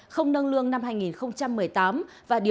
không nâng lương năm hai nghìn một mươi hai